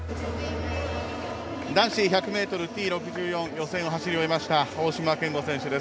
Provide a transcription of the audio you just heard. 男子１００ｍＴ６４予選を走り終えました大島健吾選手です。